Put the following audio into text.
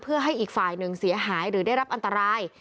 เพื่อให้อีกฝ่ายหนึ่งเสียหายหรือได้รับอันตราย